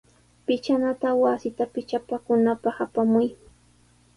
Pichanata wasita pichapakunapaq apamuy.